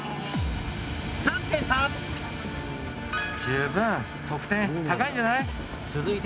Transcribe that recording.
十分、得点高いんじゃない？